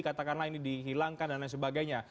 katakanlah ini dihilangkan dan lain sebagainya